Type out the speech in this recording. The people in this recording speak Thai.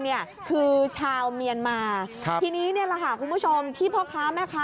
พี่รอ่อนก่อนค่ะเดี๋ยวชารวัสมา